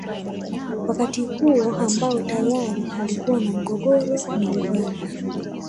Wakati huo ambao tayari alikuwa na mgogoro na Uganda